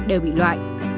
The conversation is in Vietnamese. đều bị loại